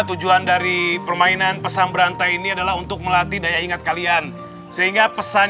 tujuan dari permainan pesan berantai ini adalah untuk melatih daya ingat kalian sehingga pesan